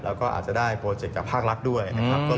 แล้วก็อาจจะได้โปรเจกต์จากภาครัฐด้วยนะครับ